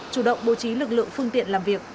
chủ động bố trí lực lượng phương tiện làm việc